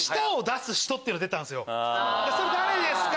それ誰ですか？